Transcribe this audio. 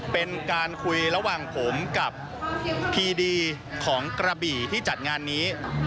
เป็นการคุยระหว่างผมกับพีดีของกระบี่ที่จัดงานนี้